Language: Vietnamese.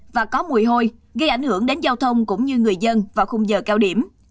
và có mùi hôi gây ảnh hưởng đến giao thông cũng như người dân vào khung giờ cao điểm